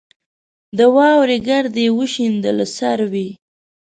د واورې ګرد یې وشینده له سروې